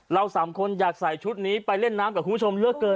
เราสามคนอยากใส่ชุดนี้ไปเล่นน้ำกับคุณผู้ชมเยอะเกิน